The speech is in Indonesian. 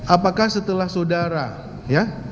apakah setelah saudara ya